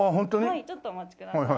はいちょっとお待ちください。